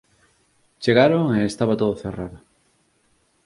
Chegaron e estaba todo cerrado.